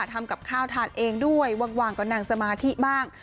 ทำกับข้าวทานเองด้วยว่างก็นั่งสมาธิบ้าง